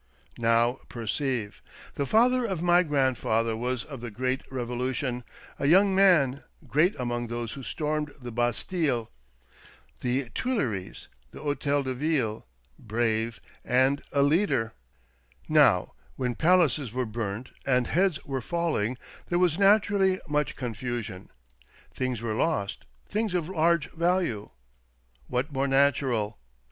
Now perceive. The father of my grandfather was of the great Eevolution — a young man, great among those who stormed the Bastille, the Tuileries, the Hotel de Ville, brave, and a leader. CASE OF THE '' MIBEOB OF POETVGAL" 109 Now, when palaces were burnt and heads were falhng there was naturally much confusion. Things were lost — things of large value. What more natural